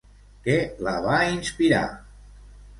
Què la va inspirar?